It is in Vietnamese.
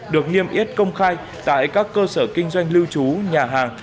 được niêm yết công khai tại các cơ sở kinh doanh lưu trú nhà hàng